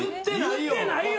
言ってないよ。